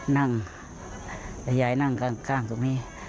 นั่งแล้วยายนั่งข้างตรงนี้